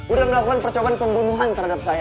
udah melakukan percobaan pembunuhan terhadap saya